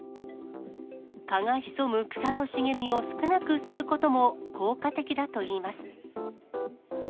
蚊が潜む草の茂みを少なくすることも、効果的だといいます。